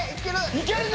いけるぞ！